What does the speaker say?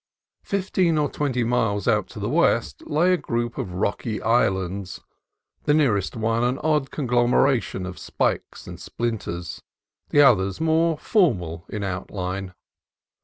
Fifteen or twenty miles out to the west lay a group of rocky islands, the nearest one an odd conglomeration of spikes and splinters, the others more formal in out line.